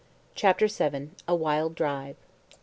CHAPTER VII. A WILD DRIVE.